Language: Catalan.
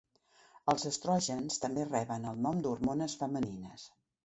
Els estrògens també reben el nom d'hormones femenines.